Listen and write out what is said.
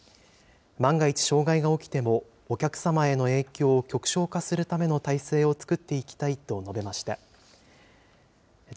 万が一障害が起きてもお客様への影響を極小化するための体制を作っていきたいと述べました。